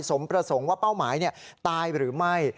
สมประสงค์ว่าเป้าหมายตายหรือไม่